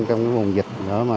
trong vùng dịch